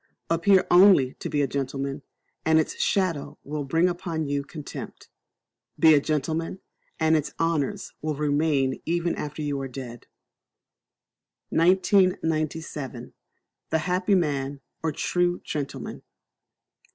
Appear only to be a gentleman, and its shadow will bring upon you contempt; be a gentleman, and its honours will remain even after you are dead. 1997. The Happy Man, or True Gentleman.